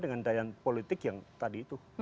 dengan daya politik yang tadi itu